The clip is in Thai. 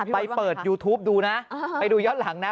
ไปเปิดยูทูปดูนะไปดูย้อนหลังนะ